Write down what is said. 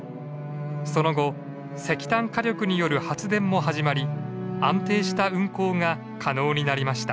その後石炭火力による発電も始まり安定した運行が可能になりました。